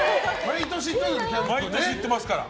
毎年行ってますから。